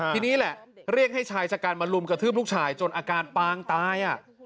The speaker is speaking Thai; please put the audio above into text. แล้วนี้แหละเรียกให้ชายจากการบรรลุมกระทึบลูกชายจนอาการปางตาย